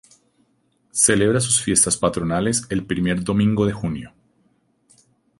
Celebra sus fiestas patronales el primer domingo de junio.